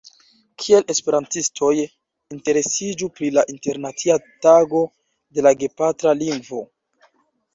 Kial esperantistoj interesiĝu pri la Internacia Tago de la Gepatra Lingvo?